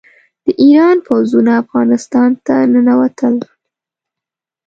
د ایران پوځونه افغانستان ته ننوتل.